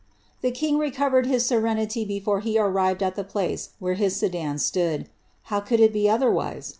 eking recovered hk eerenity before he arrived at the place where idan etood. How conld it be otherwise